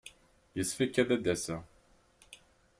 Yessefk ad d-aseɣ.